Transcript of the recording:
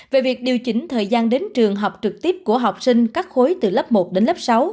về việc điều chỉnh thời gian đến trường học trực tiếp của học sinh các khối từ lớp một đến lớp sáu